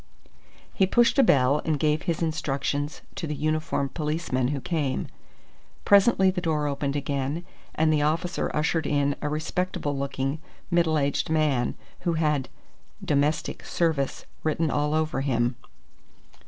He pushed a bell and gave his instructions to the uniformed policeman who came. Presently the door opened again and the officer ushered in a respectable looking, middle aged man, who had "domestic service" written all over him.